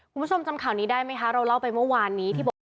คุณผู้ชมจำข่าวนี้ได้ไหมคะเราเล่าไปเมื่อวานนี้ที่บอกว่า